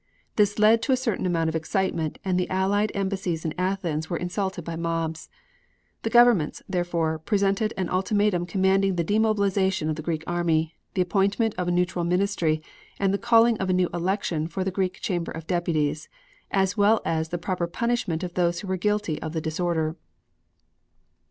This led to a certain amount of excitement and the Allied embassies in Athens were insulted by mobs. The governments, therefore, presented an ultimatum commanding the demobilization of the Greek army, the appointment of a neutral Ministry, and the calling of a new election for the Greek Chamber of Deputies, as well as the proper punishment of those who were guilty of the disorder.